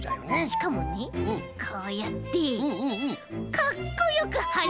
しかもねこうやってかっこよくはれるんだ！